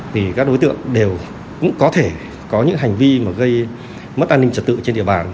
thì các đối tượng đều cũng có thể có những hành vi mà gây mất an ninh trật tự trên địa bàn